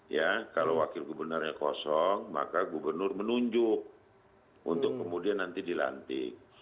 ya kalau wakil gubernurnya kosong maka gubernur menunjuk untuk kemudian nanti dilantik